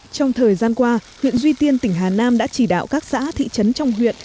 trong thời gian qua huyện duy tiên tỉnh hà nam đã chỉ đạo các xã thị trấn trong huyện